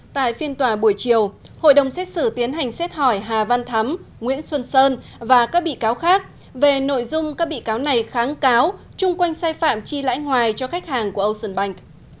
tại phiên tòa buổi chiều hội đồng xét xử tiến hành xét hỏi hà văn thắm nguyễn xuân sơn và các bị cáo khác về nội dung các bị cáo này kháng cáo chung quanh sai phạm chi lãi ngoài cho khách hàng của ocean bank